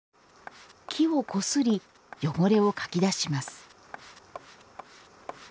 木をこすり、汚れをかき出します。